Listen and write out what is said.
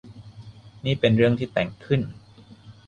นี่เป็นเรื่องที่แต่งขึ้น